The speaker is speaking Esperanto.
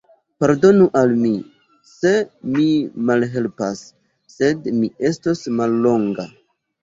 Pardonu al mi, se mi malhelpas; sed mi estos mallonga.